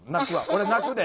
俺泣くで。